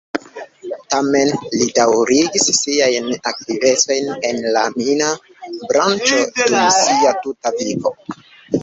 Tamen li daŭrigis siajn aktivecojn en la mina branĉo dum sia tuta vivo.